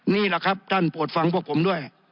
นี่แหละครับท่านโปรดฟังพวกผมด้วย